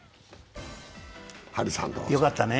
よかったね。